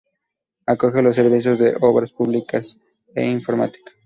Acoge los servicios de Obras Públicas e Informática.